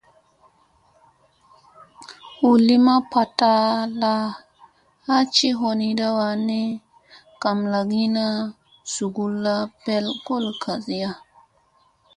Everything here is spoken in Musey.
Hu lima palaɗta a ci yoonada wanni gamlagiina suŋguna ɓel kolo kasi halaŋ.